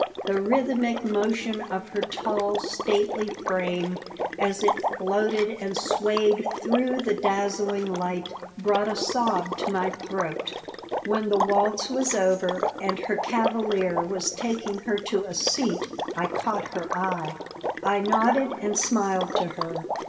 The rhythmic motion of her tall, stately frame, as it floated and swayed through the dazzling light, brought a sob to my throat When the waltz was over and her cavalier was taking her to a seat I caught her eye. I nodded and smiled to her.